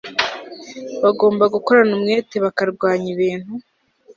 bagomba gukorana umwete bakarwanya ibintu